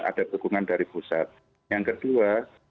ada dukungan dari pusat yang kedua